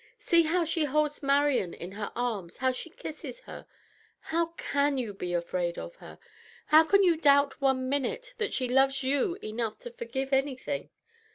See how she holds Marian in her arms, how she kisses her! How can you be afraid of her? How can you doubt one minute that she loves you enough to forgive anything?